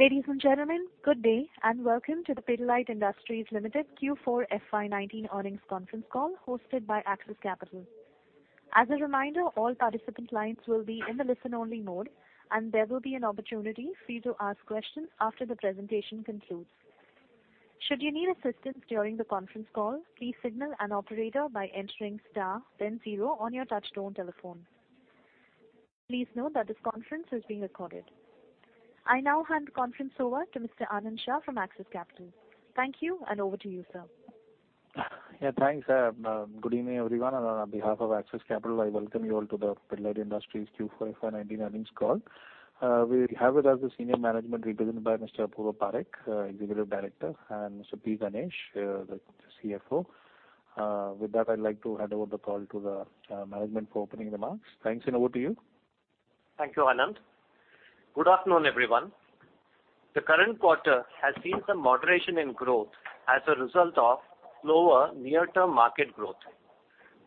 Ladies and gentlemen, good day. Welcome to the Pidilite Industries Limited Q4 FY 2019 earnings conference call hosted by Axis Capital. As a reminder, all participant lines will be in the listen-only mode, and there will be an opportunity for you to ask questions after the presentation concludes. Should you need assistance during the conference call, please signal an operator by entering star then zero on your touchtone telephone. Please note that this conference is being recorded. I now hand the conference over to Mr. Anand Shah from Axis Capital. Thank you, and over to you, sir. Yeah, thanks. Good evening, everyone. On behalf of Axis Capital, I welcome you all to the Pidilite Industries Q4 FY 2019 earnings call. We have with us the senior management represented by Mr. Apurva Parekh, Executive Director, and Mr. P. Ganesh, the CFO. With that, I'd like to hand over the call to the management for opening remarks. Thanks, and over to you. Thank you, Anand. Good afternoon, everyone. The current quarter has seen some moderation in growth as a result of slower near-term market growth.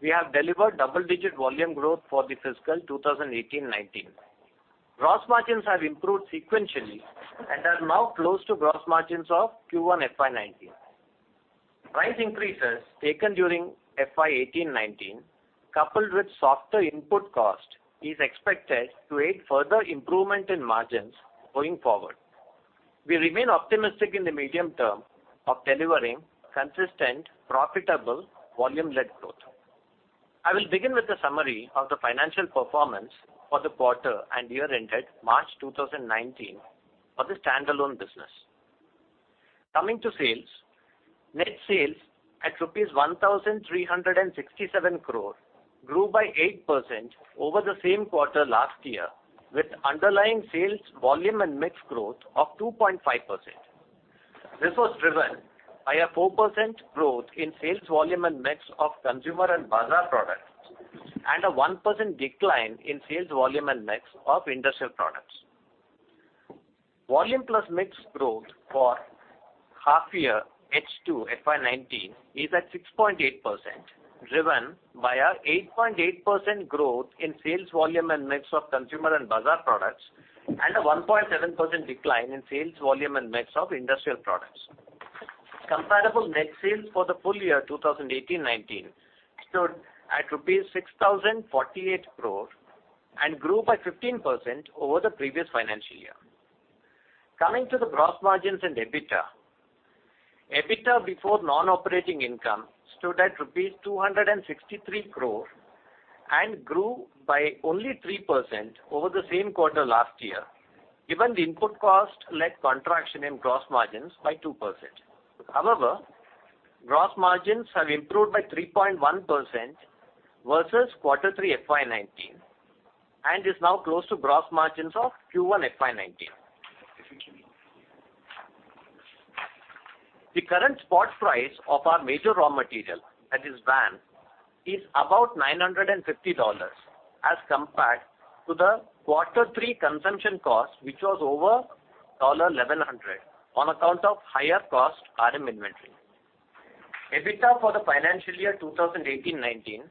We have delivered double-digit volume growth for the fiscal 2018-2019. Gross margins have improved sequentially and are now close to gross margins of Q1 FY 2019. Price increases taken during FY 2018-2019, coupled with softer input cost, is expected to aid further improvement in margins going forward. We remain optimistic in the medium term of delivering consistent, profitable, volume-led growth. I will begin with a summary of the financial performance for the quarter and year ended March 2019 for the standalone business. Coming to sales. Net sales at rupees 1,367 crore grew by 8% over the same quarter last year, with underlying sales volume and mix growth of 2.5%. This was driven by a 4% growth in sales volume and mix of Consumer and Bazaar products, and a 1% decline in sales volume and mix of industrial products. Volume plus mix growth for half year H2 FY 2019 is at 6.8%, driven by an 8.8% growth in sales volume and mix of Consumer and Bazaar products, and a 1.7% decline in sales volume and mix of industrial products. Comparable net sales for the full year 2018-2019 stood at rupees 6,048 crore and grew by 15% over the previous financial year. Coming to the gross margins and EBITDA. EBITDA before non-operating income stood at rupees 263 crore and grew by only 3% over the same quarter last year, given the input cost-led contraction in gross margins by 2%. However, gross margins have improved by 3.1% versus quarter three FY 2019 and is now close to gross margins of Q1 FY 2019. The current spot price of our major raw material, that is VAM, is about $950 as compared to the quarter 3 consumption cost, which was over $1,100 on account of higher cost RM inventory. EBITDA for the financial year 2018-2019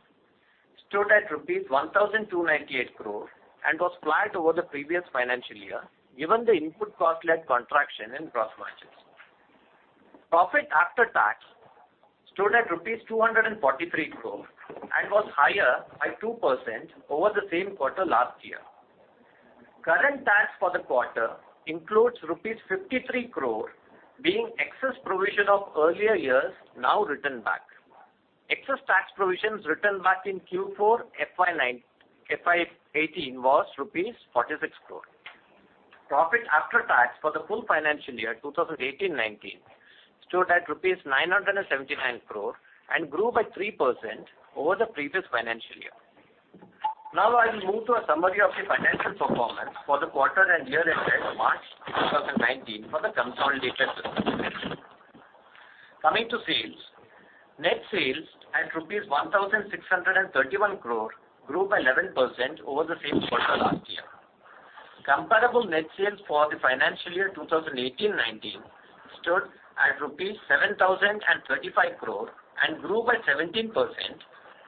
stood at rupees 1,298 crore and was flat over the previous financial year, given the input cost-led contraction in gross margins. Profit after tax stood at rupees 243 crore and was higher by 2% over the same quarter last year. Current tax for the quarter includes rupees 53 crore being excess provision of earlier years now written back. Excess tax provisions written back in Q4 FY 2018 was rupees 46 crore. Profit after tax for the full financial year 2018-2019 stood at rupees 979 crore and grew by 3% over the previous financial year. I will move to a summary of the financial performance for the quarter and year ended March 2019 for the consolidated business. Coming to sales. Net sales at INR 1,631 crore grew by 11% over the same quarter last year. Comparable net sales for the financial year 2018-2019 stood at rupees 7,035 crore and grew by 17%,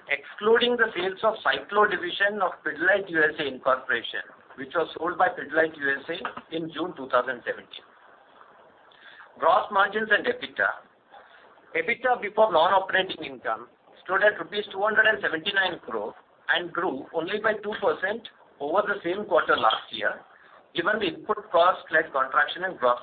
excluding the sales of Cyclo division of Pidilite USA, Inc., which was sold by Pidilite USA in June 2017. Gross margins and EBITDA. EBITDA before non-operating income stood at rupees 279 crore and grew only by 2% over the same quarter last year, given the input cost-led contraction in gross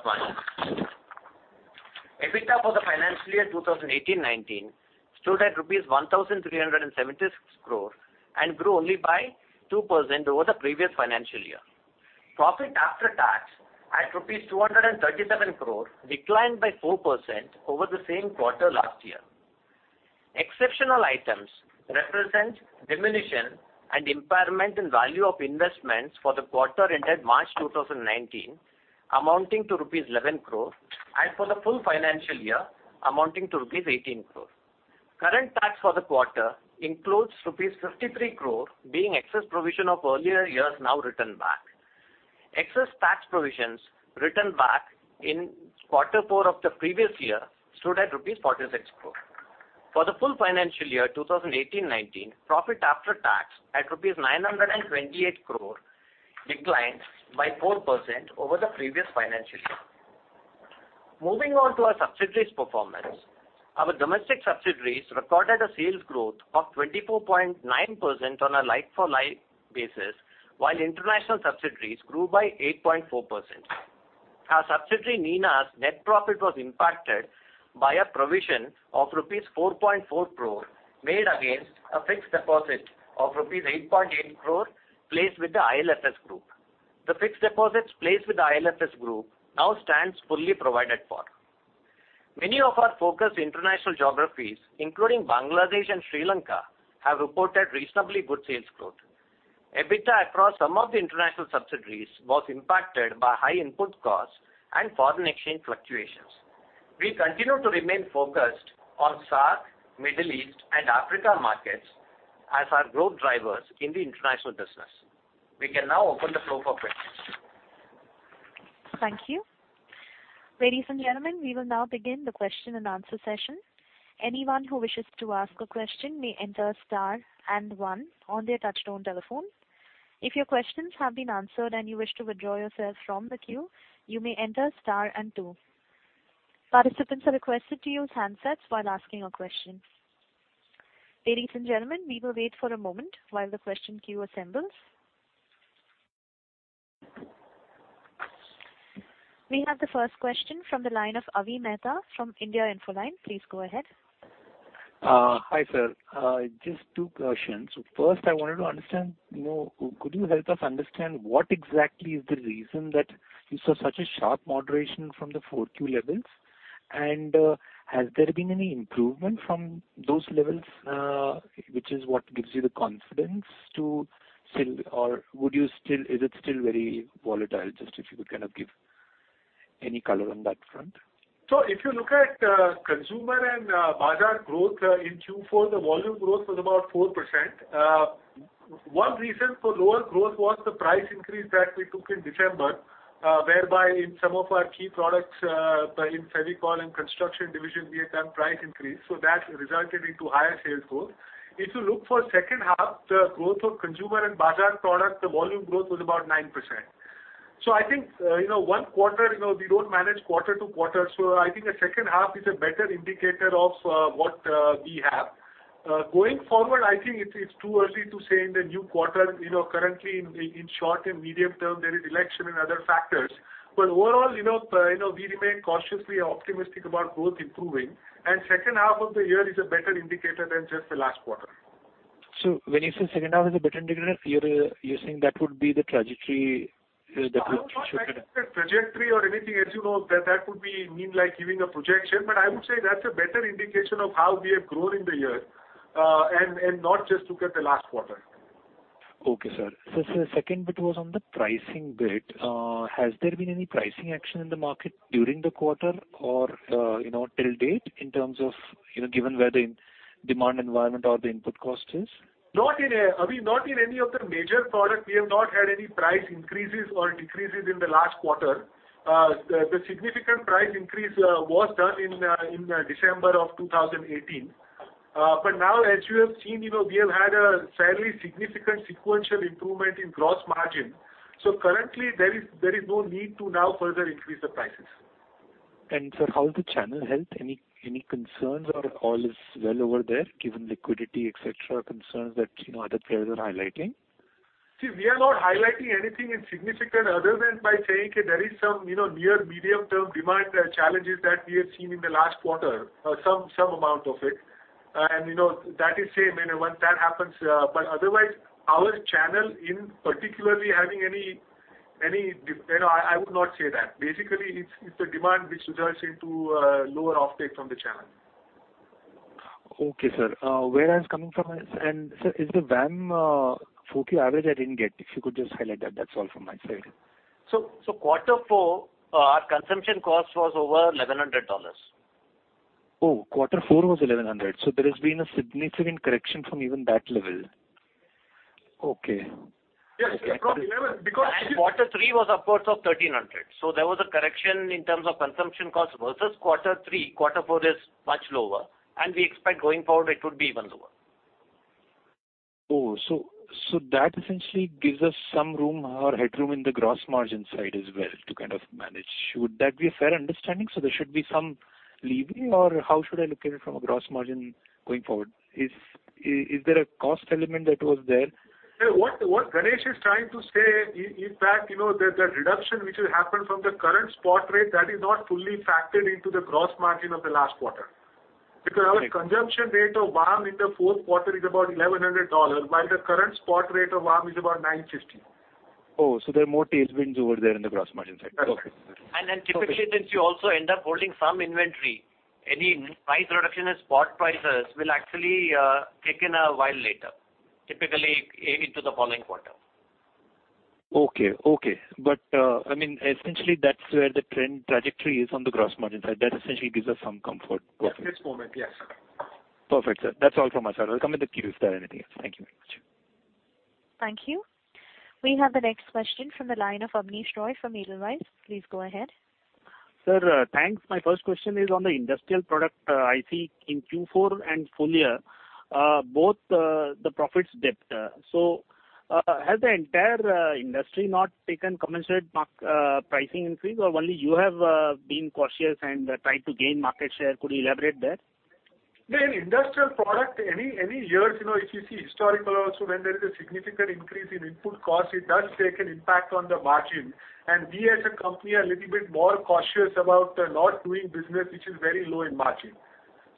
margins. EBITDA for the financial year 2018-2019 stood at rupees 1,376 crore and grew only by 2% over the previous financial year. Profit after tax at rupees 237 crore declined by 4% over the same quarter last year. Exceptional items represent diminution and impairment in value of investments for the quarter ended March 2019, amounting to rupees 11 crore, and for the full financial year amounting to rupees 18 crore. Current tax for the quarter includes rupees 53 crore being excess provision of earlier years now written back. Excess tax provisions written back in quarter 4 of the previous year stood at rupees 46 crore. For the full financial year 2018-2019, profit after tax at rupees 928 crore declined by 4% over the previous financial year. To our subsidiaries performance. Our domestic subsidiaries recorded a sales growth of 24.9% on a like-for-like basis, while international subsidiaries grew by 8.4%. Our subsidiary, Nina Percept's net profit was impacted by a provision of rupees 4.4 crore made against a fixed deposit of rupees 8.8 crore placed with the IL&FS Group. The fixed deposits placed with the IL&FS Group now stands fully provided for. Many of our focused international geographies, including Bangladesh and Sri Lanka, have reported reasonably good sales growth. EBITDA across some of the international subsidiaries was impacted by high input costs and foreign exchange fluctuations. We continue to remain focused on SAARC, Middle East, and Africa markets as our growth drivers in the international business. We can now open the floor for questions. Thank you. Ladies and gentlemen, we will now begin the question and answer session. Anyone who wishes to ask a question may enter star 1 on their touch-tone telephone. If your questions have been answered and you wish to withdraw yourself from the queue, you may enter star 2. Participants are requested to use handsets while asking a question. Ladies and gentlemen, we will wait for a moment while the question queue assembles. We have the first question from the line of Avi Mehta from India Infoline. Please go ahead. Hi, sir. Just two questions. First, I wanted to understand, could you help us understand what exactly is the reason that you saw such a sharp moderation from the Q4 levels? Has there been any improvement from those levels, which is what gives you the confidence to sell, or is it still very volatile? Just if you could give any color on that front. If you look at Consumer & Bazaar growth in Q4, the volume growth was about 4%. One reason for lower growth was the price increase that we took in December, whereby in some of our key products, in Fevicol and Construction division, we have done price increase, that resulted into higher sales growth. If you look for second half, the growth of Consumer & Bazaar product, the volume growth was about 9%. I think, one quarter, we don't manage quarter to quarter. I think the second half is a better indicator of what we have. Going forward, I think it's too early to say in the new quarter. Currently, in short and medium-term, there is election and other factors. Overall, we remain cautiously optimistic about growth improving, and second half of the year is a better indicator than just the last quarter. When you say second half is a better indicator, you're saying that would be the trajectory for the I'm not mentioning the trajectory or anything else. That would be mean like giving a projection, I would say that's a better indication of how we have grown in the year, and not just look at the last quarter. Okay, sir. Sir, second bit was on the pricing bit. Has there been any pricing action in the market during the quarter or till date in terms of given where the demand environment or the input cost is? Avi, not in any of the major products. We have not had any price increases or decreases in the last quarter. The significant price increase was done in December of 2018. Now as you have seen, we have had a fairly significant sequential improvement in gross margin. Currently, there is no need to now further increase the prices. Sir, how is the channel health? Any concerns or all is well over there, given liquidity, et cetera, concerns that other players are highlighting? We are not highlighting anything significant other than by saying there is some near medium-term demand challenges that we have seen in the last quarter, some amount of it. When that happens, otherwise, I would not say that. Basically, it's the demand which results into lower off-take from the channel. Okay, sir. Where I was coming from, sir, is the VAM 4Q average I didn't get. If you could just highlight that's all from my side. Quarter four, our consumption cost was over $1,100. Oh, quarter four was $1,100. There has been a significant correction from even that level. Okay. Yes. From 11. Quarter three was upwards of 1,300. There was a correction in terms of consumption cost versus quarter three. Quarter four is much lower, and we expect going forward it would be even lower. That essentially gives us some room or headroom in the gross margin side as well to manage. Would that be a fair understanding? There should be some leeway, or how should I look at it from a gross margin going forward? Is there a cost element that was there? What Ganesh is trying to say, in fact, the reduction which will happen from the current spot rate, that is not fully factored into the gross margin of the last quarter. Because our consumption rate of VAM in the fourth quarter is about 1,100 dollars, while the current spot rate of VAM is about 950 USD. There are more tailwinds over there in the gross margin side. That's it. Typically, since you also end up holding some inventory, any price reduction in spot prices will actually kick in a while later, typically into the following quarter. Okay. Essentially that's where the trend trajectory is on the gross margin side. That essentially gives us some comfort. At this moment, yes. Perfect, sir. That's all from my side. I will come in the queue if there anything else. Thank you. Thank you. We have the next question from the line of Abneesh Roy from Edelweiss. Please go ahead. Sir, thanks. My first question is on the industrial product. I see in Q4 and full year, both the profits dipped. Has the entire industry not taken commensurate pricing increase, or only you have been cautious and tried to gain market share? Could you elaborate there? In industrial product, any years, if you see historical also, when there is a significant increase in input cost, it does take an impact on the margin. We as a company are a little bit more cautious about not doing business which is very low in margin.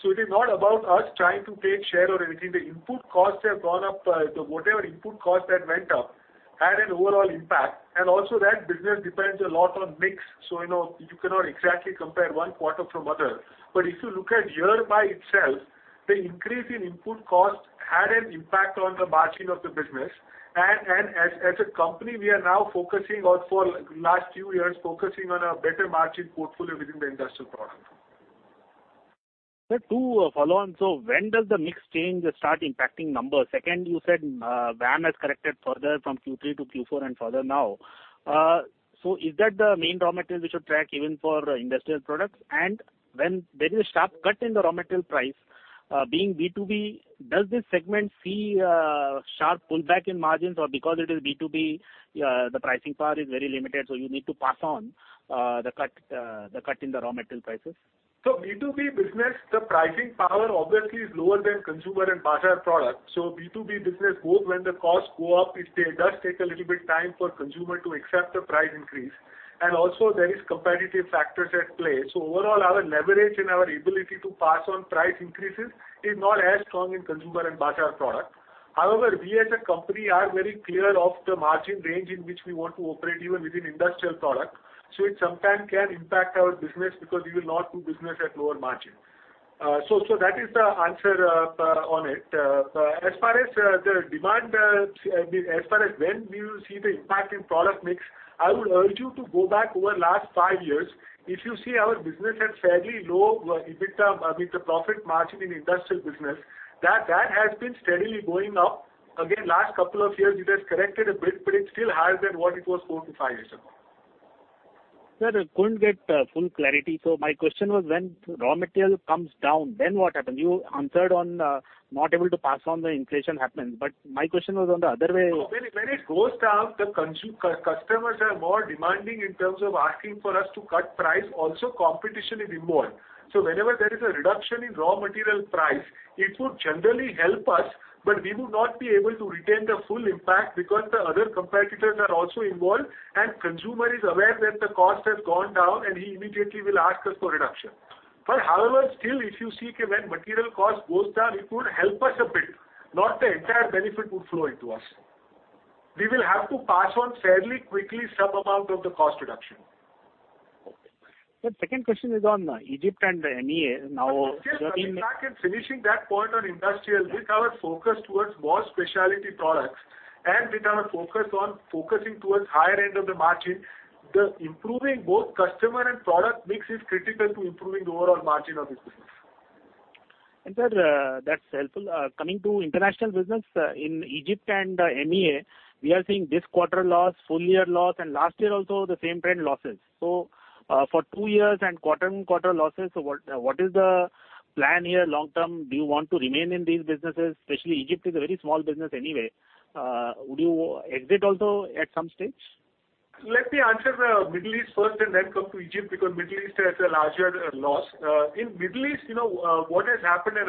It is not about us trying to take share or anything. The input costs have gone up. Whatever input cost that went up, had an overall impact. Also that business depends a lot on mix. You cannot exactly compare one quarter from other. If you look at year by itself, the increase in input cost had an impact on the margin of the business. As a company, we are now, for last few years, focusing on a better margin portfolio within the industrial product. Sir, two follow-on. When does the mix change start impacting numbers? Second, you said VAM has corrected further from Q3 to Q4 and further now. Is that the main raw material we should track even for industrial products? When there is a sharp cut in the raw material price, being B2B, does this segment see a sharp pullback in margins or because it is B2B, the pricing power is very limited, you need to pass on the cut in the raw material prices? B2B business, the pricing power obviously is lower than Consumer and Bazaar product. B2B business, when the costs go up, it does take a little bit time for consumer to accept the price increase. Also there is competitive factors at play. Overall, our leverage and our ability to pass on price increases is not as strong in Consumer and Bazaar product. However, we as a company are very clear of the margin range in which we want to operate, even within industrial product. It sometime can impact our business because we will not do business at lower margin. That is the answer on it. As far as when we will see the impact in product mix, I would urge you to go back over last five years. If you see our business had fairly low EBITDA, I mean, the profit margin in industrial business, that has been steadily going up. Again, last couple of years, it has corrected a bit, but it is still higher than what it was four to five years ago. Sir, I couldn't get full clarity. My question was when raw material comes down, what happens? You answered on not able to pass on the inflation happens. My question was on the other way. When it goes down, the customers are more demanding in terms of asking for us to cut price. Also, competition is involved. Whenever there is a reduction in raw material price, it would generally help us, we would not be able to retain the full impact because the other competitors are also involved, consumer is aware that the cost has gone down, he immediately will ask us for reduction. However, still, if you see when material cost goes down, it would help us a bit. Not the entire benefit would flow into us. We will have to pass on fairly quickly some amount of the cost reduction. Okay. Sir, second question is on Egypt and the MEA. Just coming back and finishing that point on industrial, with our focus towards more specialty products and with our focusing towards higher end of the margin, the improving both customer and product mix is critical to improving the overall margin of this business. Sir, that's helpful. Coming to international business, in Egypt and MEA, we are seeing this quarter loss, full year loss, and last year also, the same trend losses. For two years and quarter-on-quarter losses, what is the plan here long-term? Do you want to remain in these businesses? Especially Egypt is a very small business anyway. Would you exit also at some stage? Let me answer the Middle East first and then come to Egypt, because Middle East has a larger loss. In Middle East, what has happened, and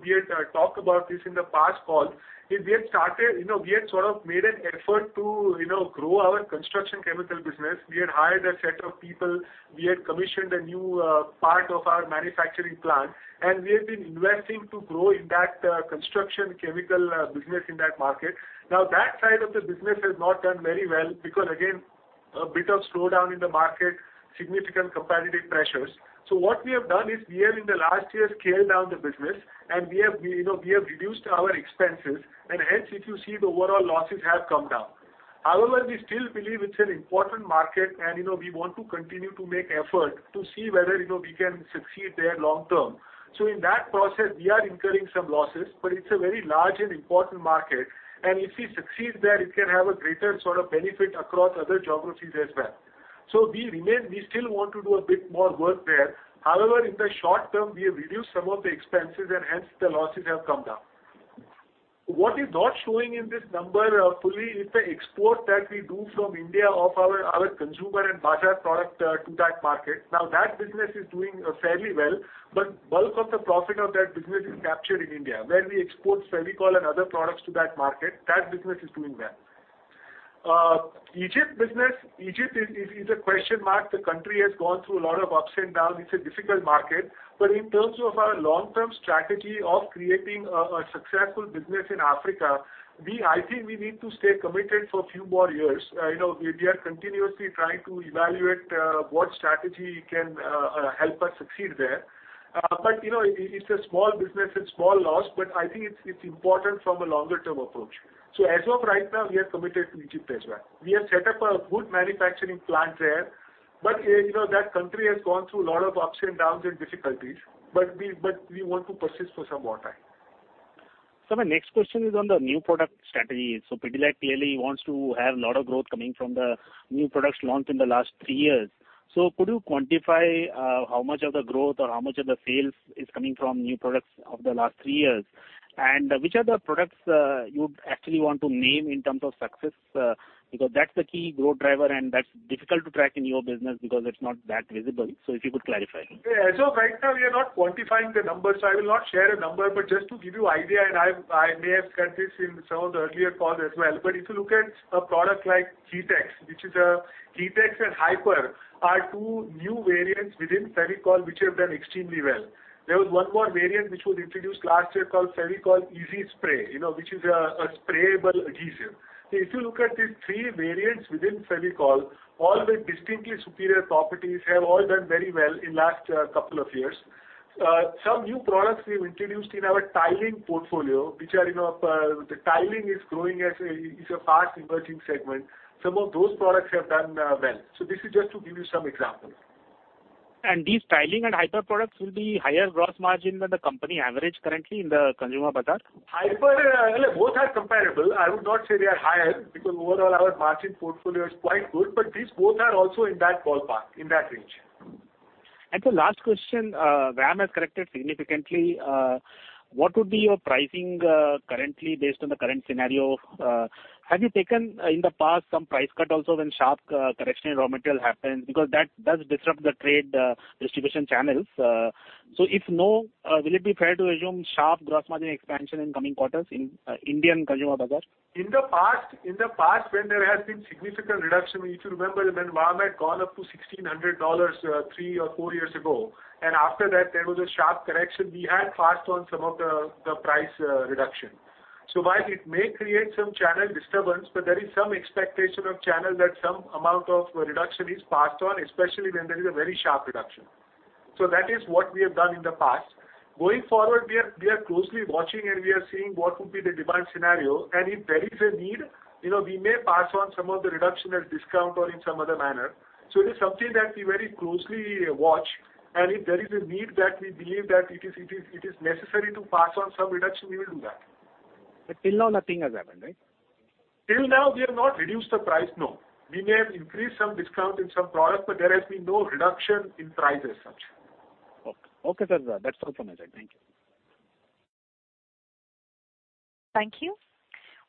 we had talked about this in the past call, is we had sort of made an effort to grow our construction chemical business. We had hired a set of people. We had commissioned a new part of our manufacturing plant, and we have been investing to grow in that construction chemical business in that market. That side of the business has not done very well because, again, a bit of slowdown in the market, significant competitive pressures. What we have done is we have in the last year scaled down the business, and we have reduced our expenses, and hence if you see the overall losses have come down. However, we still believe it's an important market, and we want to continue to make effort to see whether we can succeed there long-term. In that process, we are incurring some losses, but it's a very large and important market, and if we succeed there, it can have a greater sort of benefit across other geographies as well. We still want to do a bit more work there. However, in the short term, we have reduced some of the expenses, and hence, the losses have come down. What is not showing in this number fully is the export that we do from India of our Consumer and Bazaar product to that market. That business is doing fairly well, but bulk of the profit of that business is captured in India. Where we export Fevicol and other products to that market, that business is doing well. Egypt business. Egypt is a question mark. The country has gone through a lot of ups and downs. It's a difficult market. In terms of our long-term strategy of creating a successful business in Africa, I think we need to stay committed for a few more years. We are continuously trying to evaluate what strategy can help us succeed there. It's a small business, it's small loss, but I think it's important from a longer-term approach. As of right now, we are committed to Egypt as well. We have set up a good manufacturing plant there. That country has gone through a lot of ups and downs and difficulties. We want to persist for some more time. Sir, my next question is on the new product strategies. Pidilite clearly wants to have a lot of growth coming from the new products launched in the last three years. Could you quantify how much of the growth or how much of the sales is coming from new products of the last three years? Which are the products you'd actually want to name in terms of success? Because that's the key growth driver, and that's difficult to track in your business because it is not that visible. If you could clarify. As of right now, we are not quantifying the numbers, I will not share a number. Just to give you idea, and I may have said this in some of the earlier calls as well, if you look at a product like Gitex and Hi-Per are two new variants within Fevicol which have done extremely well. There was one more variant which was introduced last year called Fevicol Ezee Spray, which is a sprayable adhesive. If you look at these three variants within Fevicol, all with distinctly superior properties, have all done very well in last couple of years. Some new products we've introduced in our tiling portfolio, the tiling is growing as a fast emerging segment. Some of those products have done well. This is just to give you some examples. These tiling and Hyper products will be higher gross margin than the company average currently in the Consumer Bazaar? Both are comparable. I would not say they are higher, because overall our margin portfolio is quite good, but these both are also in that ballpark, in that range. Sir, last question, VAM has corrected significantly. What would be your pricing currently based on the current scenario? Have you taken, in the past, some price cut also when sharp correction in raw material happens? Because that does disrupt the trade distribution channels. If no, will it be fair to assume sharp gross margin expansion in coming quarters in Indian Consumer & Bazaar? In the past, when there has been significant reduction, if you remember when VAM had gone up to $1,600 three or four years ago, after that there was a sharp correction, we had passed on some of the price reduction. While it may create some channel disturbance, there is some expectation of channel that some amount of reduction is passed on, especially when there is a very sharp reduction. That is what we have done in the past. Going forward, we are closely watching, we are seeing what would be the demand scenario. If there is a need, we may pass on some of the reduction as discount or in some other manner. It is something that we very closely watch, if there is a need that we believe that it is necessary to pass on some reduction, we will do that. Till now nothing has happened, right? Till now, we have not reduced the price, no. We may have increased some discount in some products, there has been no reduction in price as such. Okay, sir. That's all from my side. Thank you. Thank you.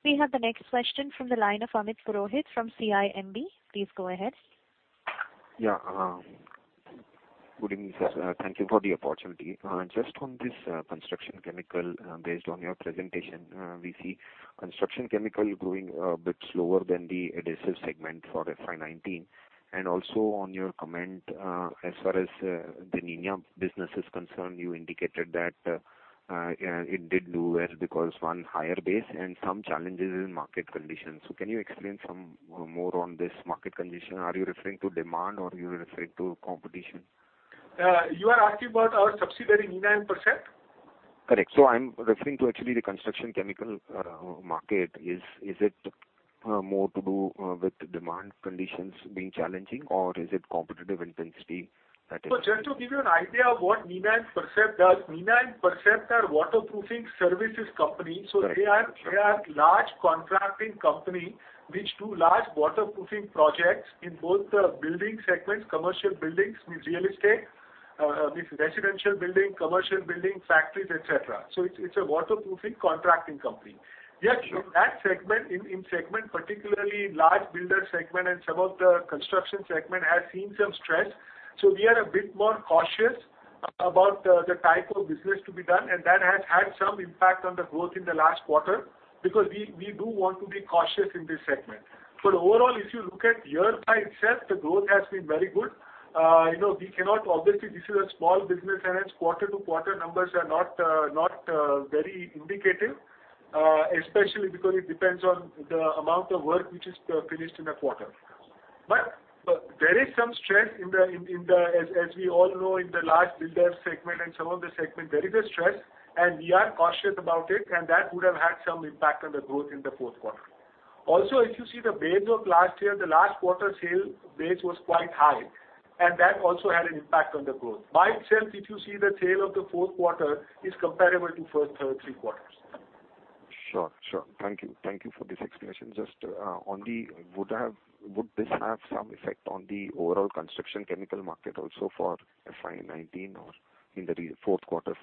We have the next question from the line of Amit Purohit from CIMB. Please go ahead. Yeah. Good evening, sir. Thank you for the opportunity. Just on this construction chemical, based on your presentation, we see construction chemical growing a bit slower than the adhesive segment for FY 2019, and also on your comment, as far as the Nina business is concerned, you indicated that it did do well because, one, higher base, and some challenges in market conditions. Can you explain some more on this market condition? Are you referring to demand or you're referring to competition? You are asking about our subsidiary, Nina and Percept? Correct. I'm referring to actually the construction chemical market. Is it more to do with demand conditions being challenging, or is it competitive intensity that is- Just to give you an idea of what Nina Percept does, Nina Percept are waterproofing services company. Correct. They are large contracting company which do large waterproofing projects in both the building segments, commercial buildings with real estate, with residential building, commercial building, factories, et cetera. It's a waterproofing contracting company. Sure. Yet in that segment, particularly large builder segment and some of the construction segment has seen some stress. We are a bit more cautious about the type of business to be done, and that has had some impact on the growth in the last quarter, because we do want to be cautious in this segment. Overall, if you look at year-by itself, the growth has been very good. Obviously this is a small business, and its quarter-to-quarter numbers are not very indicative, especially because it depends on the amount of work which is finished in a quarter. There is some stress, as we all know, in the large builder segment and some of the segment, there is a stress, and we are cautious about it, and that would have had some impact on the growth in the fourth quarter. If you see the base of last year, the last quarter sale base was quite high, and that also had an impact on the growth. By itself, if you see the tail of the fourth quarter, it is comparable to first three quarters. Sure. Thank you for this explanation. Would this have some effect on the overall construction chemical market also for FY 2019 or in the fourth quarter?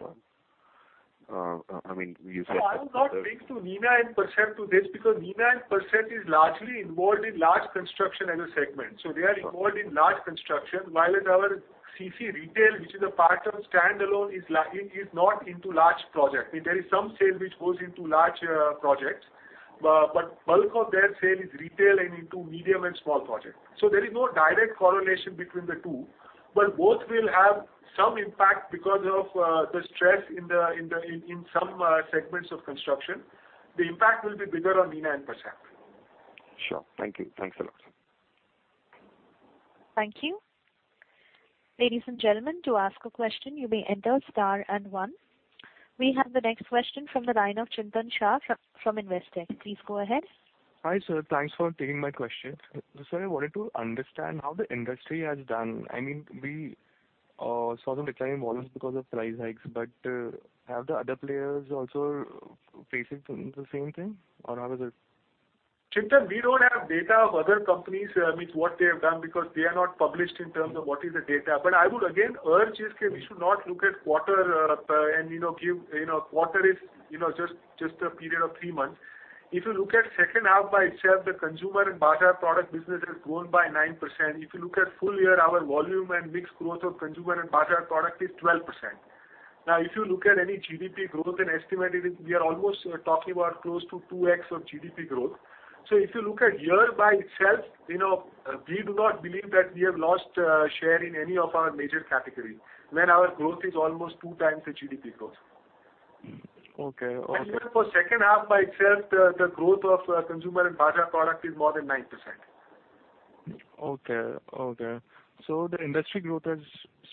I would not link to Nina Percept to this because Nina Percept is largely involved in large construction as a segment. They are involved in large construction, while our CC retail, which is a part of standalone, is not into large project. There is some sale which goes into large projects, but bulk of their sale is retail and into medium and small project. There is no direct correlation between the two, but both will have some impact because of the stress in some segments of construction. The impact will be bigger on Nina Percept. Sure. Thank you. Thanks a lot. Thank you. Ladies and gentlemen, to ask a question, you may enter star and one. We have the next question from the line of Chintan Shah from Investec. Please go ahead. Hi, sir. Thanks for taking my question. Sir, I wanted to understand how the industry has done. We saw the decline in volumes because of price hikes, have the other players also faced the same thing, or how is it? Chintan, we don't have data of other companies, means what they have done, because they are not published in terms of what is the data. I would again urge is that we should not look at quarter is just a period of three months. If you look at second half by itself, the Consumer & Bazaar product business has grown by 9%. If you look at full year, our volume and mixed growth of Consumer & Bazaar product is 12%. If you look at any GDP growth and estimate it, we are almost talking about close to 2X of GDP growth. If you look at year by itself, we do not believe that we have lost share in any of our major categories, when our growth is almost two times the GDP growth. Okay. Even for second half by itself, the growth of Consumer & Bazaar product is more than 9%. Okay. The industry growth is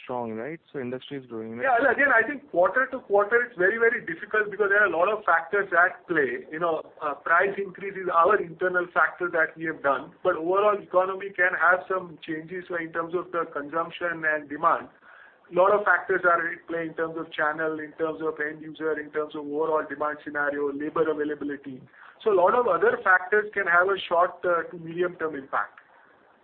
strong, right? Industry is growing. Yeah. Again, I think quarter to quarter, it's very difficult because there are a lot of factors at play. Price increase is our internal factor that we have done, but overall economy can have some changes in terms of the consumption and demand. Lot of factors are at play in terms of channel, in terms of end user, in terms of overall demand scenario, labor availability. A lot of other factors can have a short to medium term impact.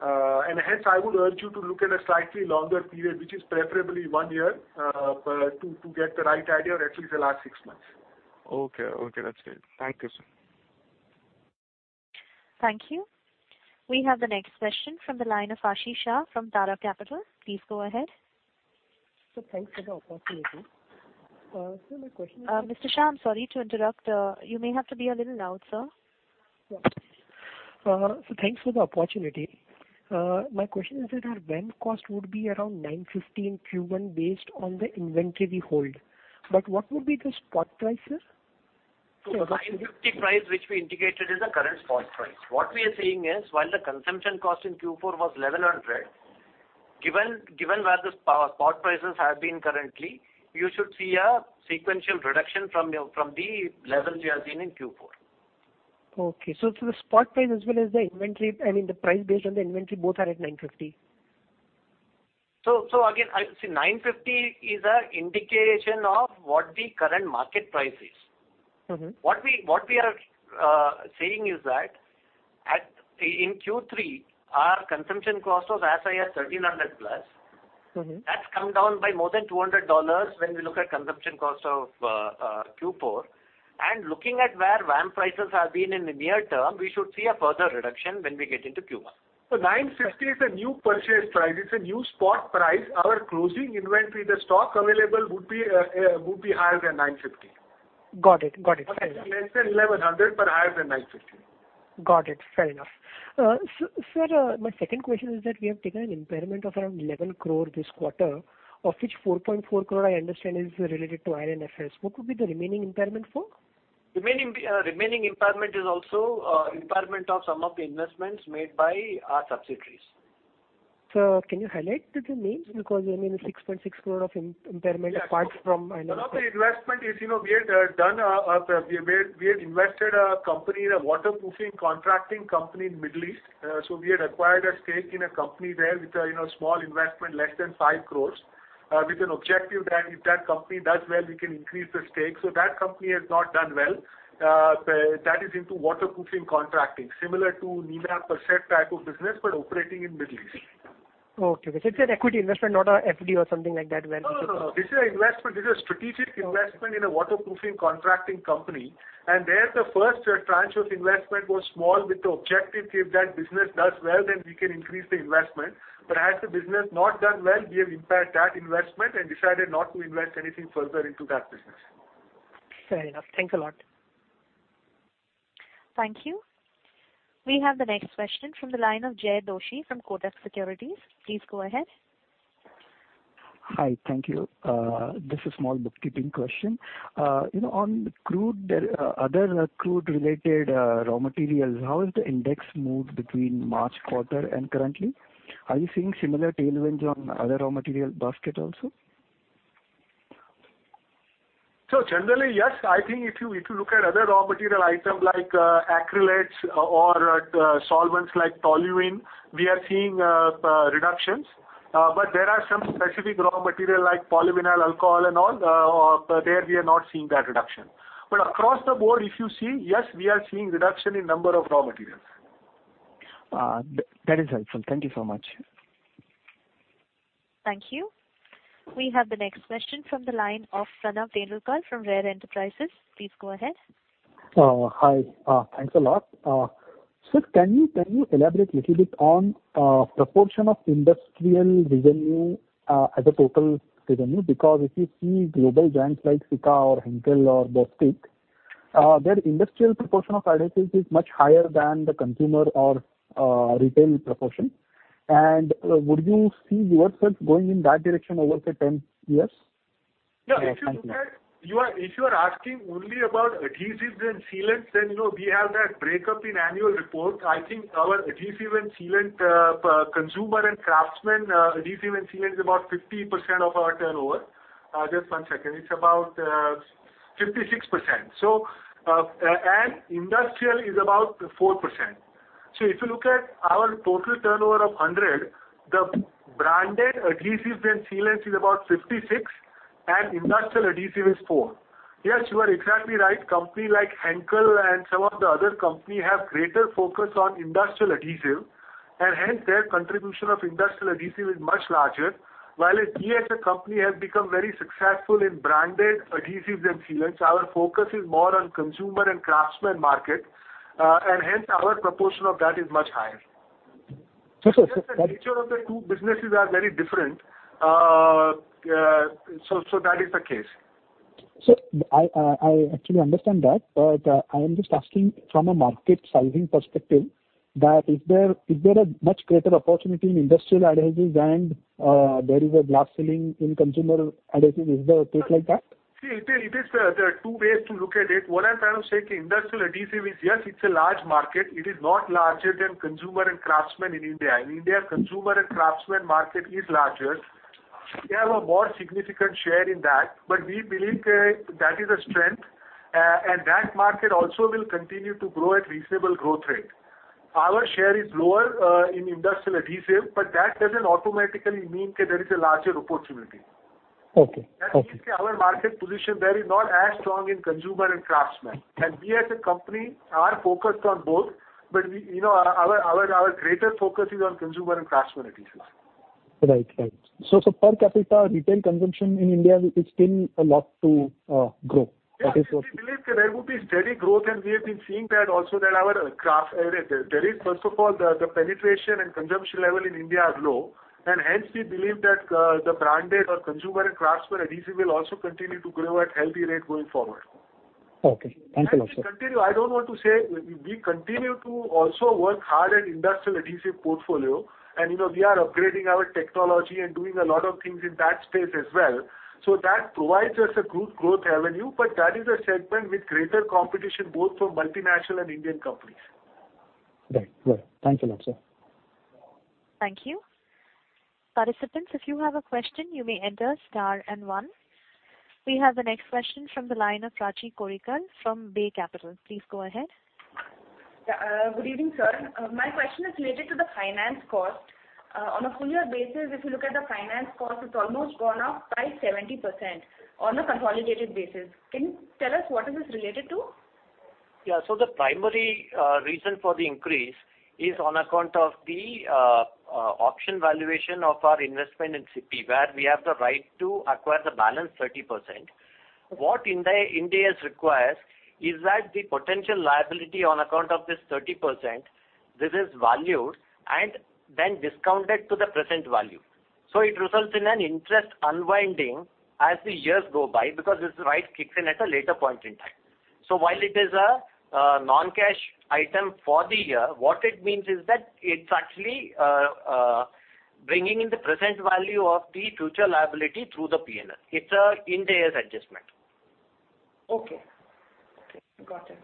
Hence, I would urge you to look at a slightly longer period, which is preferably one year, to get the right idea, or at least the last six months. Okay. That's great. Thank you, sir. Thank you. We have the next question from the line of Ashish Shah from Tara Capital. Please go ahead. Sir, thanks for the opportunity. Sir, my question. Mr. Shah, I'm sorry to interrupt. You may have to be a little loud, sir. Sure. Sir, thanks for the opportunity. My question is that our VAM cost would be around $950 in Q1 based on the inventory we hold. What would be the spot price, sir? The $950 price which we indicated is the current spot price. What we are saying is, while the consumption cost in Q4 was $1,100, given where the spot prices have been currently, you should see a sequential reduction from the levels we have seen in Q4. Okay. The spot price as well as the price based on the inventory, both are at $950? Again, see, $950 is an indication of what the current market price is. What we are saying is that in Q3, our consumption cost was as high as $1,300-plus. That's come down by more than $200 when we look at consumption cost of Q4. Looking at where VAM prices have been in the near term, we should see a further reduction when we get into Q1. 950 is a new purchase price. It's a new spot price. Our closing inventory, the stock available would be higher than 950. Got it. Fair enough. Less than 1,100, but higher than 950. Got it. Fair enough. Sir, my second question is that we have taken an impairment of around 11 crore this quarter, of which 4.4 crore, I understand, is related to IL&FS. What would be the remaining impairment for? Remaining impairment is also impairment of some of the investments made by our subsidiaries. Sir, can you highlight the names? Because the 6.6 crore of impairment apart from- One of the investment is, we had invested a company, a waterproofing contracting company in Middle East. We had acquired a stake in a company there with a small investment, less than 5 crores, with an objective that if that company does well, we can increase the stake. That company has not done well. That is into waterproofing contracting. Similar to Nina Percept type of business, but operating in Middle East. Okay. It's an equity investment, not a FD or something like that. No. This is a strategic investment in a waterproofing contracting company. There, the first tranche of investment was small with the objective, if that business does well, then we can increase the investment. As the business not done well, we have impaired that investment and decided not to invest anything further into that business. Fair enough. Thanks a lot. Thank you. We have the next question from the line of Jaykumar Doshi from Kotak Securities. Please go ahead. Hi. Thank you. Just a small bookkeeping question. On other crude-related raw materials, how has the index moved between March quarter and currently? Are you seeing similar tailwinds on other raw material basket also? Generally, yes. I think if you look at other raw material item like acrylates or solvents like toluene, we are seeing reductions. There are some specific raw material like polyvinyl alcohol and all, there we are not seeing that reduction. Across the board, if you see, yes, we are seeing reduction in number of raw materials. That is helpful. Thank you so much. Thank you. We have the next question from the line of Pranav Venurkar from Rare Enterprises. Please go ahead. Hi. Thanks a lot. Sir, can you elaborate little bit on proportion of industrial revenue as a total revenue? Because if you see global giants like Sika or Henkel or Bostik, their industrial proportion of revenues is much higher than the consumer or retail proportion. Would you see yourself going in that direction over, say, 10 years? Yeah. If you are asking only about adhesives and sealants, we have that breakup in annual report. I think our adhesive and sealant consumer and craftsman adhesive and sealant is about 50% of our turnover. Just one second. It's about 56%. Industrial is about 4%. If you look at our total turnover of 100, the branded adhesives and sealants is about 56, and industrial adhesive is four. Yes, you are exactly right. Company like Henkel and some of the other company have greater focus on industrial adhesive, and hence, their contribution of industrial adhesive is much larger. While we as a company have become very successful in branded adhesives and sealants, our focus is more on consumer and craftsman market, and hence our proportion of that is much higher. So- Just the nature of the two businesses are very different. That is the case. Sir, I actually understand that, I am just asking from a market sizing perspective, that is there a much greater opportunity in industrial adhesives and there is a glass ceiling in consumer adhesive. Is the case like that? There are two ways to look at it. What I'm trying to say, industrial adhesive is, yes, it's a large market. It is not larger than consumer and craftsman in India. In India, consumer and craftsman market is larger. We have a more significant share in that. We believe that is a strength, and that market also will continue to grow at reasonable growth rate. Our share is lower in industrial adhesive, that doesn't automatically mean that there is a larger opportunity. Okay. That means that our market position there is not as strong in consumer and craftsman. We as a company are focused on both. Our greater focus is on consumer and craftsman adhesives. Right. Per capita retail consumption in India is still a lot to grow. Yes. We believe there would be steady growth. We have been seeing that also that There is, first of all, the penetration and consumption level in India are low, hence we believe that the branded or consumer and craftsman adhesive will also continue to grow at healthy rate going forward. Okay. Thank you. I don't want to say We continue to also work hard at industrial adhesive portfolio, and we are upgrading our technology and doing a lot of things in that space as well. That provides us a good growth avenue, but that is a segment with greater competition, both from multinational and Indian companies. Right. Thanks a lot, sir. Thank you. Participants, if you have a question, you may enter star and one. We have the next question from the line of Raji Korikad from Bay Capital. Please go ahead. Good evening, sir. My question is related to the finance cost. On a full year basis, if you look at the finance cost, it's almost gone up by 70% on a consolidated basis. Can you tell us what is this related to? Yeah. The primary reason for the increase is on account of the option valuation of our investment in CP, where we have the right to acquire the balance 30%. What Ind AS requires is that the potential liability on account of this 30%, this is valued and then discounted to the present value. It results in an interest unwinding as the years go by, because this right kicks in at a later point in time. While it is a non-cash item for the year, what it means is that it's actually bringing in the present value of the future liability through the P&L. It's a Ind AS adjustment. Okay. Got it.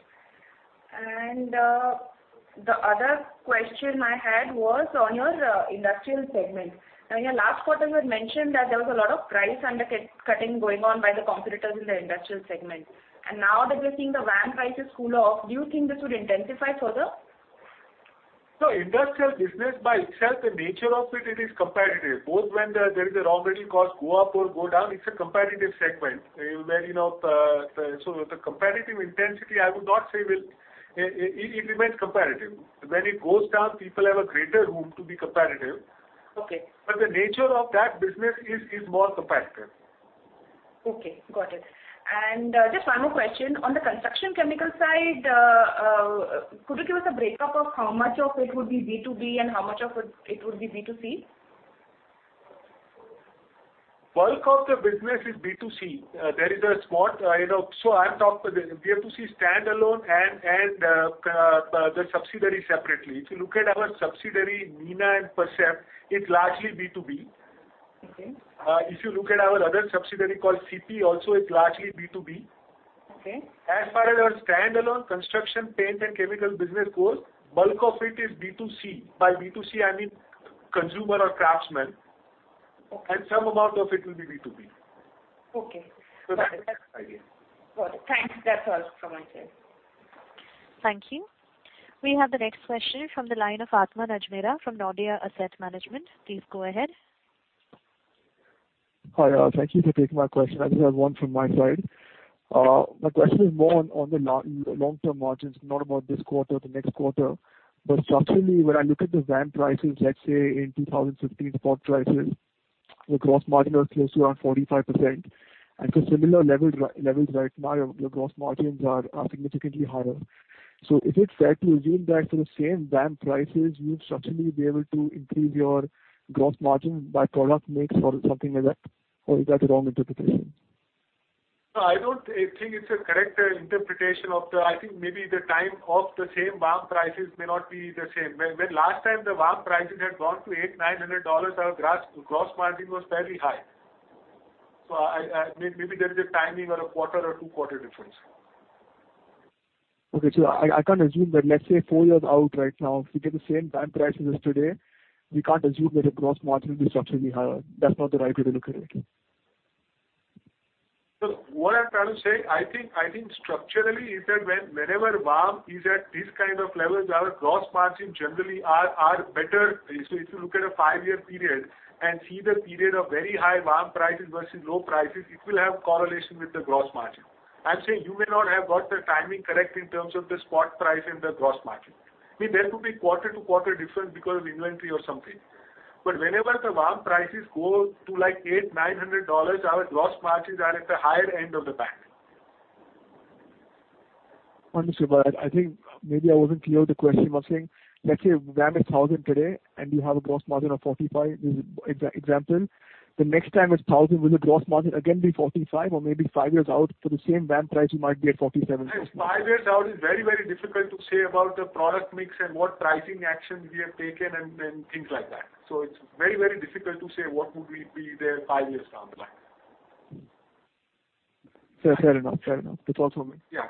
The other question I had was on your industrial segment. Now in your last quarter, you had mentioned that there was a lot of price undercutting going on by the competitors in the industrial segment. Now that we're seeing the VAM prices cool off, do you think this would intensify further? No. Industrial business by itself, the nature of it is comparative. Both when there is a raw material cost go up or go down, it's a comparative segment. The competitive intensity, I would not say It remains comparative. When it goes down, people have a greater room to be comparative. Okay. The nature of that business is more competitive. Okay, got it. Just one more question. On the construction chemical side, could you give us a breakup of how much of it would be B2B and how much of it would be B2C? Bulk of the business is B2C. I'll talk B2C standalone and the subsidiary separately. If you look at our subsidiary, Nina Percept, it's largely B2B. Okay. If you look at our other subsidiary called CP also, it's largely B2B. Okay. As far as our standalone construction paint and chemical business goes, bulk of it is B2C. By B2C, I mean consumer or craftsman. Okay. Some amount of it will be B2B. Okay. Got it. That's the idea. Got it. Thanks. That's all from my side. Thank you. We have the next question from the line of Aatman Najmera from Nordea Asset Management. Please go ahead. Hi. Thank you for taking my question. I just have one from my side. My question is more on the long-term margins, not about this quarter or the next quarter. Structurally, when I look at the VAM prices, let's say in 2015 spot prices, the gross margin was close to around 45%. At a similar levels right now, your gross margins are significantly higher. Is it fair to assume that for the same VAM prices, you would structurally be able to increase your gross margin by product mix or something like that? Is that a wrong interpretation? No, I don't think it's a correct interpretation. I think maybe the time of the same VAM prices may not be the same. Last time the VAM prices had gone to $800, $900, our gross margin was fairly high. Maybe there's a timing or a quarter or two quarter difference. Okay. I can't assume that, let's say four years out right now, if we get the same VAM prices as today, we can't assume that the gross margin will be structurally higher. That's not the right way to look at it. I think structurally is that whenever VAM is at this kind of levels, our gross margin generally are better. If you look at a five-year period and see the period of very high VAM prices versus low prices, it will have correlation with the gross margin. I am saying you may not have got the timing correct in terms of the spot price and the gross margin. There could be quarter-to-quarter difference because of inventory or something. Whenever the VAM prices go to $800, $900, our gross margins are at the higher end of the band. Understood. I think maybe I wasn't clear with the question. I was saying, let's say VAM is 1,000 today and you have a gross margin of 45%, this is an example. The next time it's 1,000, will the gross margin again be 45% or maybe five years out for the same VAM price, we might be at 47%? Five years out is very difficult to say about the product mix and what pricing actions we have taken and things like that. It's very difficult to say what would be there five years down the line. Fair enough. That's all from me. Yeah.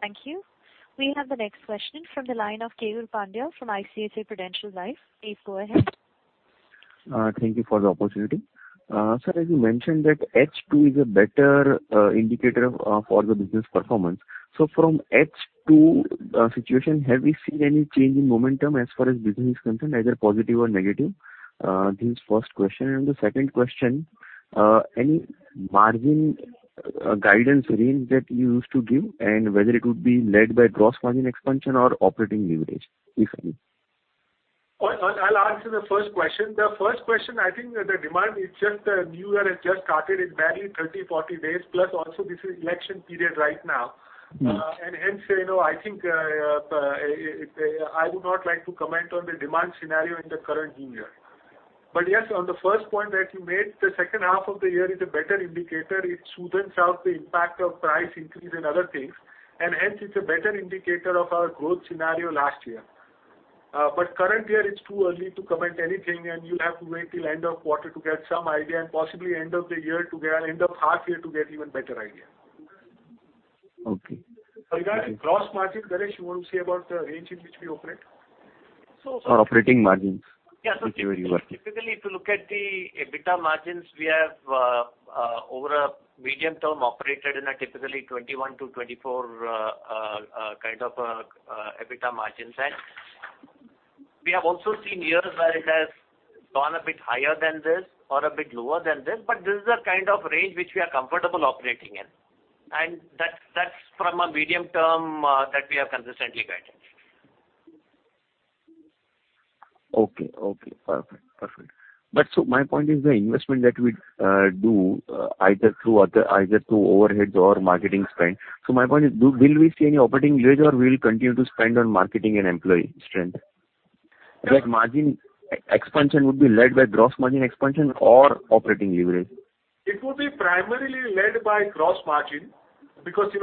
Thank you. We have the next question from the line of Keyur Pandya from ICICI Prudential Life. Please go ahead. Thank you for the opportunity. Sir, as you mentioned that H2 is a better indicator for the business performance. From H2 situation, have we seen any change in momentum as far as business is concerned, either positive or negative? This is first question. The second question, any margin guidance range that you used to give and whether it would be led by gross margin expansion or operating leverage, if any? I'll answer the first question. The first question, I think that the demand is just the new year has just started. It's barely 30, 40 days, plus also this is election period right now. Hence, I think I would not like to comment on the demand scenario in the current year. Yes, on the first point that you made, the second half of the year is a better indicator. It smoothens out the impact of price increase and other things, and hence it's a better indicator of our growth scenario last year. Current year, it's too early to comment anything, you'll have to wait till end of quarter to get some idea and possibly end of half year to get even better idea. Okay. Regarding gross margin, Ganesh, you want to say about the range in which we operate? Operating margins. Typically, if you look at the EBITDA margins, we have over a medium term operated in a typically 21-24 kind of EBITDA margins. We have also seen years where it has gone a bit higher than this or a bit lower than this is the kind of range which we are comfortable operating in, and that's from a medium term that we have consistently guided. Okay. Perfect. My point is the investment that we do, either through overheads or marketing spend. My point is, will we see any operating leverage or we'll continue to spend on marketing and employee strength? Margin expansion would be led by gross margin expansion or operating leverage? It would be primarily led by gross margin because the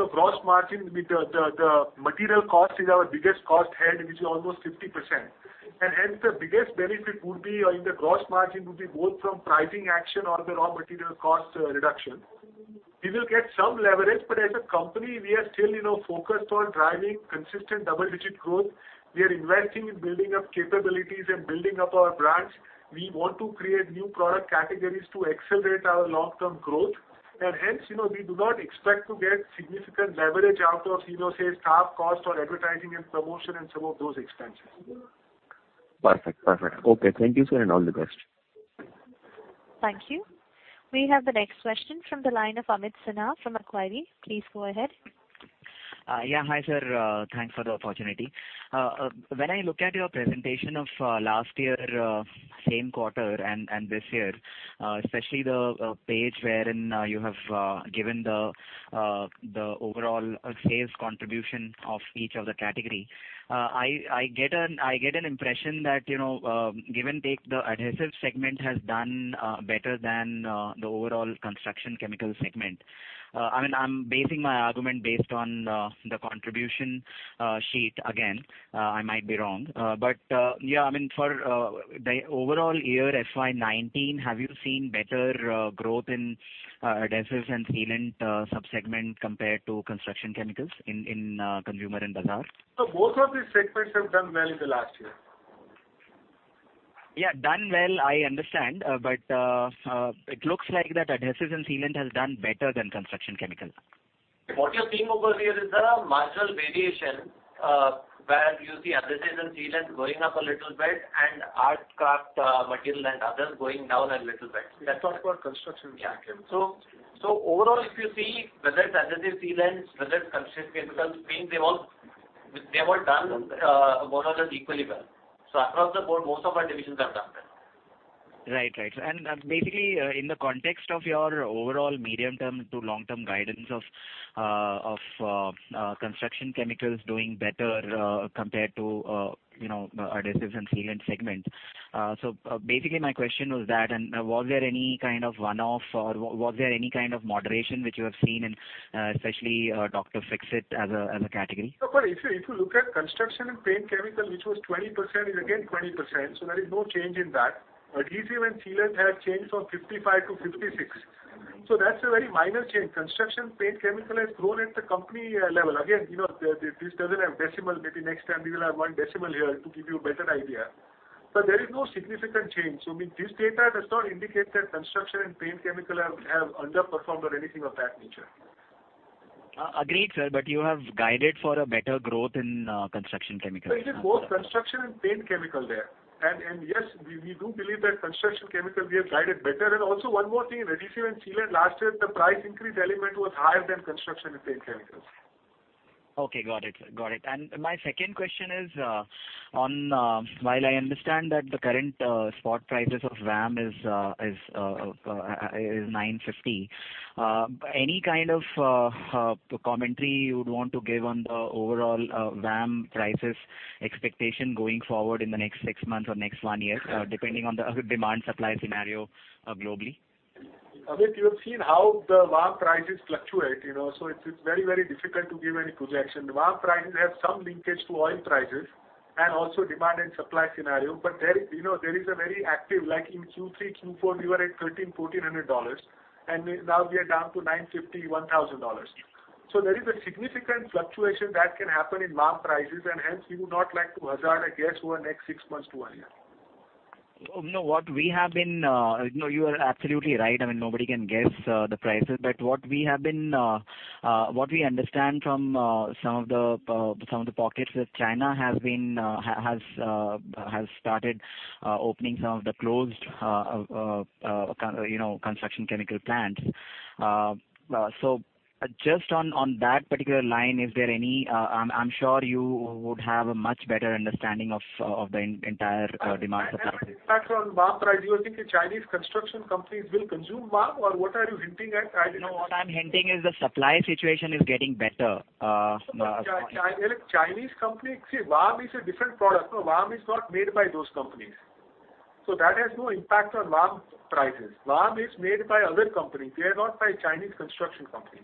material cost is our biggest cost head, which is almost 50%. Hence, the biggest benefit would be in the gross margin, would be both from pricing action or the raw material cost reduction. We will get some leverage, but as a company, we are still focused on driving consistent double-digit growth. We are investing in building up capabilities and building up our brands. We want to create new product categories to accelerate our long-term growth, and hence, we do not expect to get significant leverage out of, say, staff cost or advertising and promotion and some of those expenses. Perfect. Okay. Thank you, sir, and all the best. Thank you. We have the next question from the line of Amit Sinha from Macquarie. Please go ahead. Yeah. Hi, sir. Thanks for the opportunity. When I look at your presentation of last year same quarter and this year, especially the page wherein you have given the overall sales contribution of each of the category, I get an impression that, give and take, the adhesive segment has done better than the overall construction chemical segment. I am basing my argument based on the contribution sheet. Again, I might be wrong. Yeah, for the overall year FY 2019, have you seen better growth in adhesive and sealant sub-segment compared to construction chemicals in Consumer and Bazaar? Both of these segments have done well in the last year. Yeah, done well, I understand. It looks like that adhesives and sealant has done better than construction chemicals. What you're seeing over here is the marginal variation, where you see adhesives and sealants going up a little bit and art, craft material and others going down a little bit. Let's talk about construction chemicals. Overall, if you see, whether it's adhesives, sealants, whether it's construction chemicals, paint, they've all done more or less equally well. Across the board, most of our divisions have done well. Right. Basically, in the context of your overall medium-term to long-term guidance of construction chemicals doing better compared to adhesives and sealant segment. Basically, my question was that, was there any kind of one-off, or was there any kind of moderation which you have seen in especially Dr. Fixit as a category? No, if you look at construction and paint chemical, which was 20%, is again 20%, so there is no change in that. Adhesive and sealant has changed from 55 to 56. That's a very minor change. Construction paint chemical has grown at the company level. Again, this doesn't have decimal. Maybe next time we will have one decimal here to give you a better idea. There is no significant change. This data does not indicate that construction and paint chemical have underperformed or anything of that nature. Agreed, sir. You have guided for a better growth in construction chemicals. It is both construction and paint chemical there. Yes, we do believe that construction chemical, we have guided better. Also one more thing in adhesive and sealant, last year the price increase element was higher than construction and paint chemicals. Okay, got it. My second question is, while I understand that the current spot prices of VAM is $950, any kind of commentary you would want to give on the overall VAM prices expectation going forward in the next six months or next one year, depending on the demand-supply scenario globally? Amit, you have seen how the VAM prices fluctuate. It's very difficult to give any projection. The VAM prices have some linkage to oil prices and also demand and supply scenario. There is a very active, like in Q3, Q4, we were at $1,300, $1,400, and now we are down to $950, $1,000. There is a significant fluctuation that can happen in VAM prices, and hence we would not like to hazard a guess over next six months to one year. You are absolutely right. I mean, nobody can guess the prices. What we understand from some of the pockets is China has started opening some of the closed construction chemical plants. Just on that particular line, I'm sure you would have a much better understanding of the entire demand supply. I don't see the impact on VAM price. You are thinking Chinese construction companies will consume VAM? What are you hinting at? I didn't understand. What I'm hinting is the supply situation is getting better. VAM is a different product. VAM is not made by those companies. That has no impact on VAM prices. VAM is made by other companies. They are not by Chinese construction companies.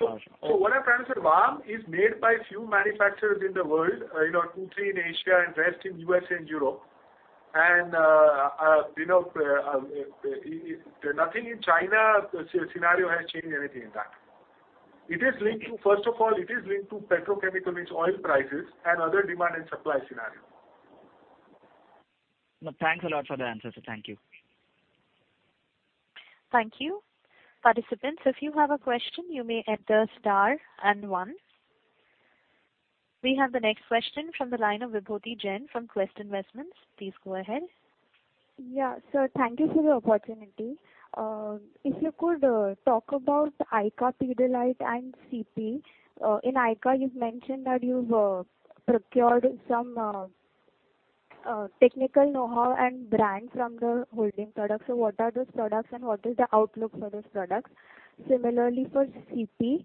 Got you. What I'm trying to say, VAM is made by few manufacturers in the world 2, 3 in Asia and rest in USA and Europe. Nothing in China scenario has changed anything in that. First of all, it is linked to petrochemical, means oil prices, and other demand and supply scenario. Thanks a lot for the answer, sir. Thank you. Thank you. Participants, if you have a question, you may enter star one. We have the next question from the line of Vibhooti Jain from Quest Investments. Please go ahead. Yeah, sir. Thank you for the opportunity. If you could talk about ICA Pidilite and CP. In ICA, you've mentioned that you've procured some technical know-how and brand from the holding product. What are those products and what is the outlook for those products? Similarly for CP,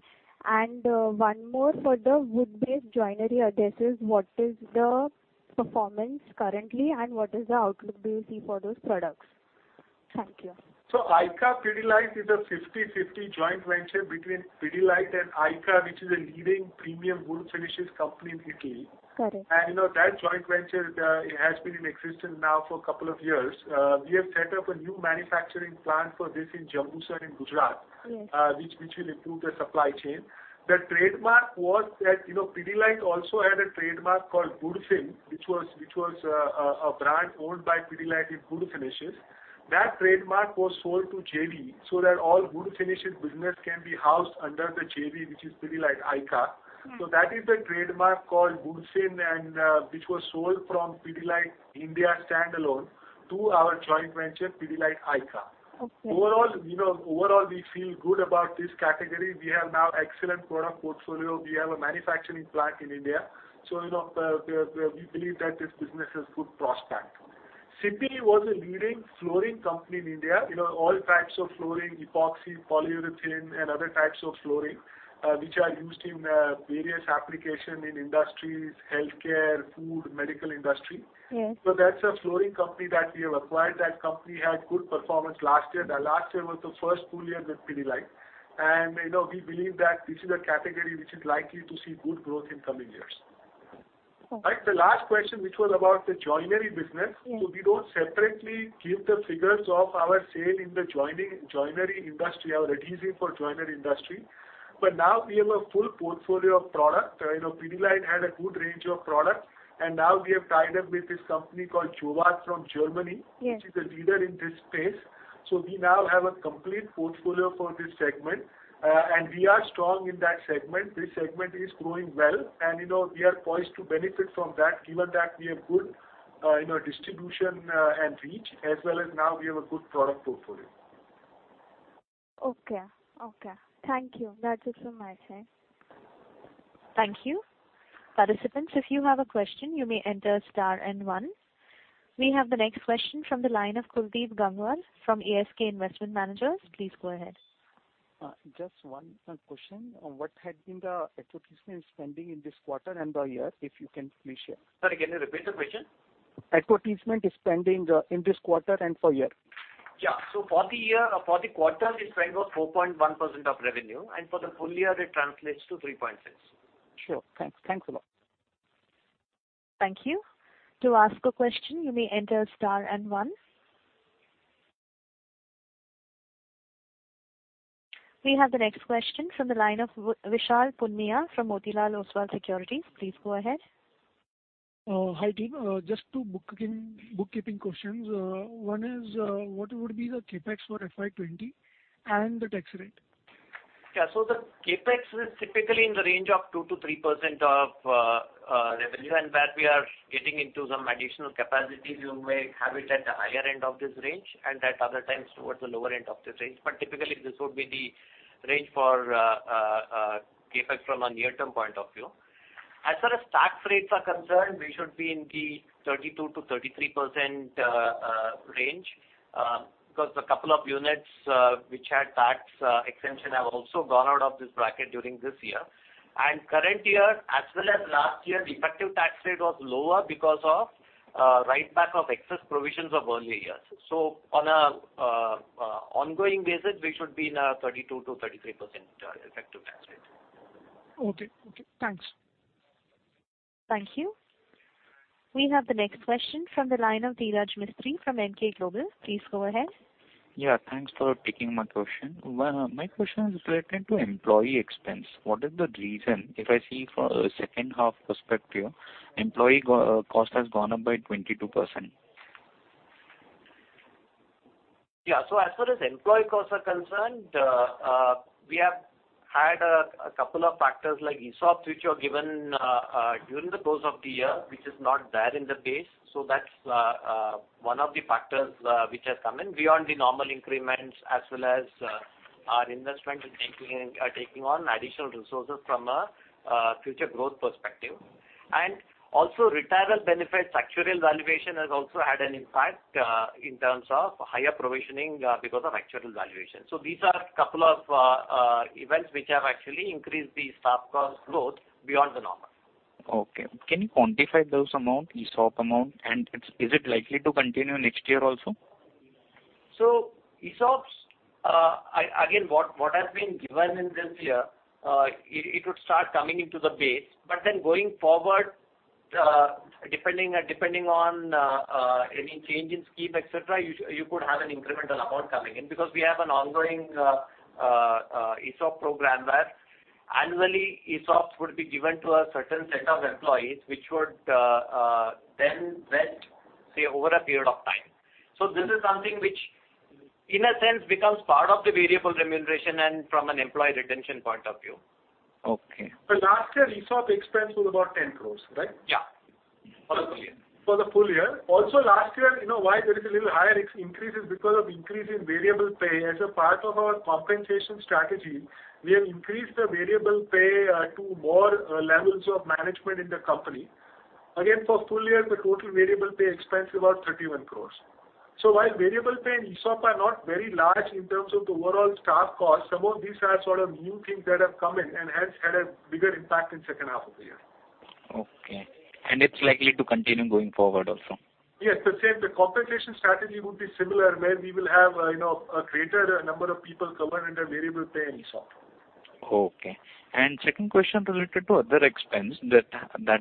one more for the wood-based joinery adhesives, what is the performance currently and what is the outlook do you see for those products? Thank you. ICA Pidilite is a 50/50 joint venture between Pidilite and ICA, which is a leading premium wood finishes company in Italy. Correct. That joint venture has been in existence now for a couple of years. We have set up a new manufacturing plant for this in Jambusar in Gujarat. Yes which will improve the supply chain. Pidilite also had a trademark called Woodsin, which was a brand owned by Pidilite in wood finishes. That trademark was sold to JV so that all wood finishes business can be housed under the JV, which is Pidilite ICA. That is the trademark called Woodsin, which was sold from Pidilite India standalone to our joint venture, ICA Pidilite. Okay. Overall, we feel good about this category. We have now excellent product portfolio. We have a manufacturing plant in India. We believe that this business has good prospect. CIPY Polyurethanes was a leading flooring company in India. All types of flooring, epoxy, polyurethane, and other types of flooring, which are used in various application in industries, healthcare, food, medical industry. Yes. That's a flooring company that we have acquired. That company had good performance last year. The last year was the first full year with Pidilite. We believe that this is a category which is likely to see good growth in coming years. Okay. Right. The last question, which was about the joinery business. We don't separately give the figures of our sale in the joinery industry. Our adhesive for joinery industry. Now we have a full portfolio of product. Pidilite had a good range of product, and now we have tied up with this company called Jowat from Germany- Yes which is a leader in this space. We now have a complete portfolio for this segment, and we are strong in that segment. This segment is growing well and we are poised to benefit from that given that we have good distribution, and reach as well as now we have a good product portfolio. Okay. Thank you. That's it from my side. Thank you. Participants, if you have a question, you may enter star and one. We have the next question from the line of Kuldeep Gangwar from ASK Investment Managers. Please go ahead. Just one question. What had been the advertisement spending in this quarter and the year, if you can please share? Sir, can you repeat the question? Advertisement spending in this quarter and for year. Yeah. For the quarter, the spend was 4.1% of revenue, and for the full year, it translates to 3.6%. Sure. Thanks a lot. Thank you. To ask a question, you may enter star and one. We have the next question from the line of Vishal Punia from Motilal Oswal Securities. Please go ahead. Hi, team. Just two bookkeeping questions. One is, what would be the CapEx for FY20 and the tax rate? Yeah. The CapEx is typically in the range of two to three% of revenue, where we are getting into some additional capacities, we may have it at the higher end of this range, at other times towards the lower end of this range. Typically, this would be the range for CapEx from a near-term point of view. As far as tax rates are concerned, we should be in the 32%-33% range, because the couple of units which had tax exemption have also gone out of this bracket during this year. Current year as well as last year, the effective tax rate was lower because of write back of excess provisions of earlier years. On an ongoing basis, we should be in a 32%-33% effective tax rate. Okay. Thanks. Thank you. We have the next question from the line of Dhiraj Mistry from Emkay Global. Please go ahead. Yeah, thanks for taking my question. My question is related to employee expense. What is the reason, if I see from a second half perspective, employee cost has gone up by 22%? Yeah, as far as employee costs are concerned, we have had a couple of factors like ESOPs, which are given during the course of the year, which is not there in the base. That's one of the factors which has come in beyond the normal increments, as well as our investment in taking on additional resources from a future growth perspective. Also, retirement benefits, actuarial valuation has also had an impact in terms of higher provisioning because of actuarial valuation. These are couple of events which have actually increased the staff cost growth beyond the normal. Okay. Can you quantify those amount, ESOP amount, is it likely to continue next year also? ESOPs, again, what has been given in this year, it would start coming into the base. Going forward, depending on any change in scheme, et cetera, you could have an incremental amount coming in, because we have an ongoing ESOP program where annually ESOPs would be given to a certain set of employees, which would then vest, say, over a period of time. This is something which, in a sense, becomes part of the variable remuneration and from an employee retention point of view. Okay. Last year, ESOP expense was about 10 crores, right? Yeah. For the full year. For the full year. Also, last year, why there is a little higher increase is because of increase in variable pay. As a part of our compensation strategy, we have increased the variable pay to more levels of management in the company. Again, for full year, the total variable pay expense is about 31 crores. While variable pay and ESOP are not very large in terms of the overall staff cost, some of these are sort of new things that have come in and hence had a bigger impact in second half of the year. Okay. It's likely to continue going forward also? Yes. The compensation strategy would be similar, where we will have a greater number of people covered under variable pay and ESOP. Okay. Second question related to other expense that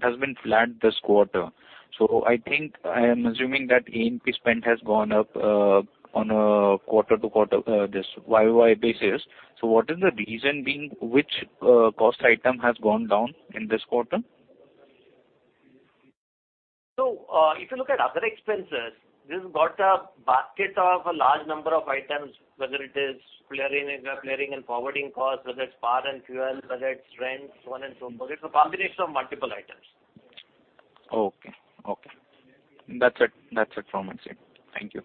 has been flat this quarter. I am assuming that A&P spend has gone up on a quarter-to-quarter, this YOY basis. What is the reason being which cost item has gone down in this quarter? If you look at other expenses, this has got a basket of a large number of items, whether it is clearing and forwarding costs, whether it's power and fuel, whether it's rent, so on and so forth. It's a combination of multiple items. Okay. That's it from my side. Thank you.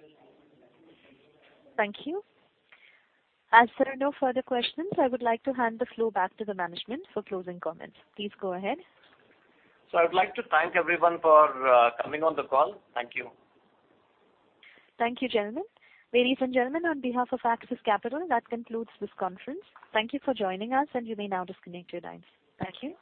Thank you. As there are no further questions, I would like to hand the floor back to the management for closing comments. Please go ahead. I would like to thank everyone for coming on the call. Thank you. Thank you, gentlemen. Ladies and gentlemen, on behalf of Axis Capital, that concludes this conference. Thank you for joining us, and you may now disconnect your lines. Thank you.